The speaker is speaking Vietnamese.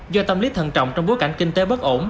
do tâm lý thần trọng trong bối cảnh kinh tế bất ổn